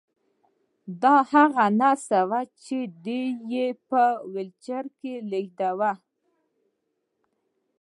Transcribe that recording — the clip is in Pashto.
دا هغه نرس وه چې دی یې په ويلچر کې لېږداوه